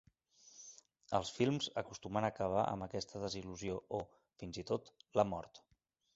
Els films acostumen a acabar amb aquesta desil·lusió o, fins i tot, la mort.